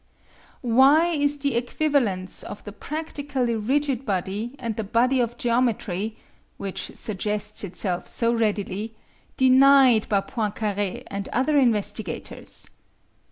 Why is the equivalence of the practically rigid body and the body of geometry which suggests itself so readily denied by Poincare and other investigators?